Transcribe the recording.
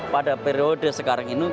pada periode sekarang ini